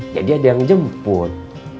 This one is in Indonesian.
jadi ada yang jemput